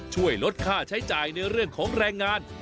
ช่วยลดค่าใช้จ่ายในเรื่องของแรงงาน